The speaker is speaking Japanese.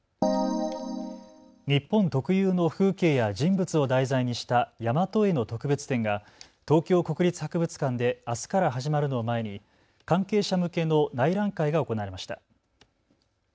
日本特有の風景や人物を題材にしたやまと絵の特別展が東京国立博物館であすから始まるのを前に関係者向けの内覧会が行われました。